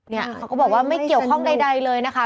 เขาก็บอกว่าไม่เกี่ยวข้องใดเลยนะคะ